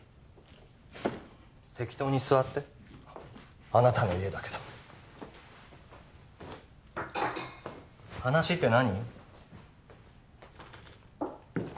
適当に座ってあっあなたの家だけど話って何？